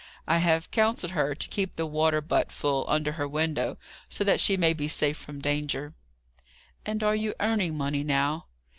I have counselled her to keep the water butt full, under her window, so that she may be safe from danger." "And are you earning money now?"